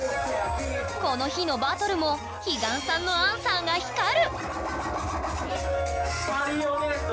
この日のバトルも彼岸さんのアンサーが光る！